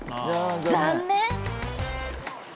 残念！